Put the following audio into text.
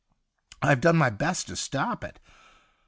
I've done my best to stop it.